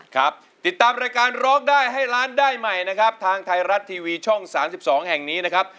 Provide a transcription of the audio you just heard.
ครับติดตามรายการร้องได้ให้ล้านได้ใหม่นะครับทางไทยรัฐทีวีช่อง๓๒แห่งนี้นะครับ